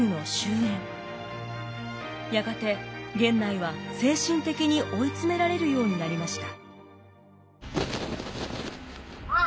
やがて源内は精神的に追い詰められるようになりました。